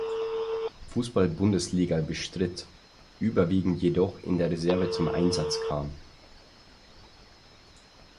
Fußball-Bundesliga bestritt, überwiegend jedoch in der Reserve zum Einsatz kam.